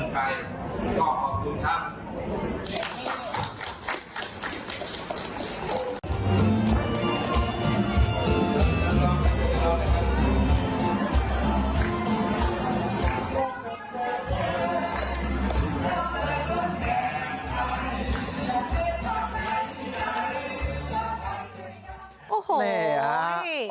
ขอขอบคุณครับ